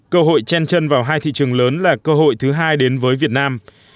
cơ hội chen chân vào hai thị trường lớn là cơ hội thứ hai đến với việt nam